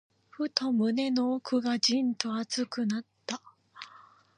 ふと、胸の奥がじんと熱くなった。